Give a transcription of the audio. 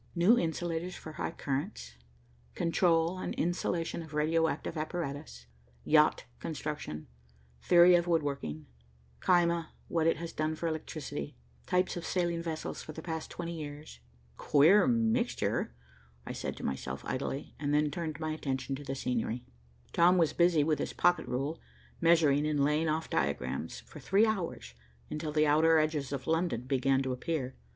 "New Insulators for High Currents," "Control and Insulation of Radio active Apparatus," "Yacht Construction," "Theory of Wood Working," "Caema, What It Has Done for Electricity," "Types of Sailing Vessels for the Past Twenty Years." "Queer mixture," I said to myself idly, and then I turned my attention to the scenery. Tom was busy with his pocket rule, measuring and laying off diagrams, for three hours, until the outer edges of London began to appear.